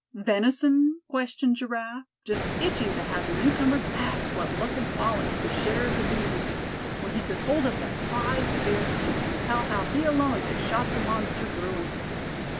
"Venison?" questioned Giraffe, just itching to have the newcomers ask what luck had fallen to the share of the bee hunters, when he could hold up that prized bearskin, and tell how he alone had shot the monster Bruin.